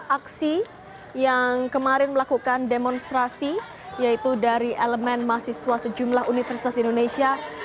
aksi yang kemarin melakukan demonstrasi yaitu dari elemen mahasiswa sejumlah universitas di indonesia